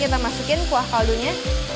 kita masukkan kuah kaldunya